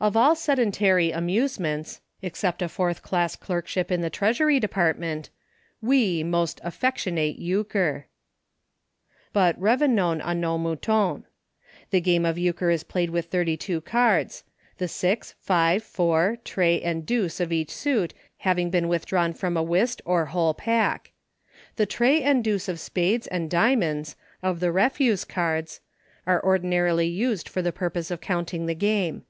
Of all sedentary amusements — except a fourth class clerkship in the Treasury De partment — ice most '' affectionate"' Euchre. But. repawns a .s. The game of Euchre is played with thirty two cards — the six. five, four, tray, and deuce of each suit having been withdrawn from a "Whist or whole pack. The tray and deuce of spades and diamonds, of the refuse cards, are ordi narily used for the purpose of counting the game.